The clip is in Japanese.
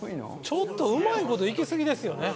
ちょっとうまい事いきすぎですよね。